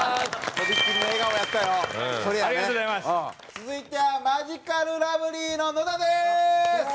続いてはマヂカルラブリーの野田です！